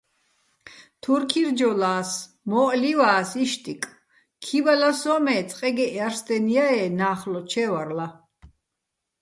თურ ქირჯოლა́ს, მო́ჸ ლივა́ს, იშტიკ, ქიბალა სო́ჼ მე́ წყეგეჸ ჲარსტენო̆ ჲაე́ ნა́ხლო ჩე́ვარლა.